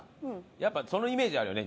やっぱそのイメージあるよね